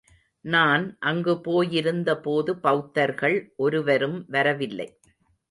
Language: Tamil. நான் அங்கு போயிருந்த போது பௌத்தர்கள் ஒருவரும் வரவில்லை.